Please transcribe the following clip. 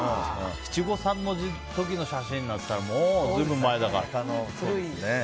七五三の時の写真だったらもう随分前だから。